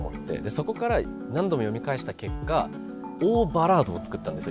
そこから何度も読み返した結果大バラードを作ったんですよ。